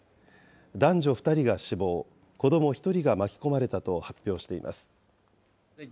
男女２人が死亡、子ども１人が巻き込まれたと発表しています。